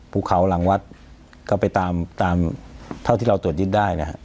ภูเขาหลังวัดก็ไปตามตามเท่าที่เราตรวจยึดได้นะครับ